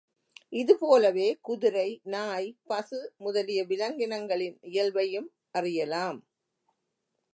இது போலவே குதிரை, நாய், பசு முதலிய விலங்கினங்களின் இயல்பையும் அறியலாம்.